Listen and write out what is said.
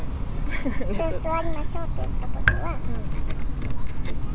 座りましょうって言ったときには。